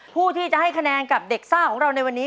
ผู้ที่จะให้คะแนนกับเด็กซ่าของเราในวันนี้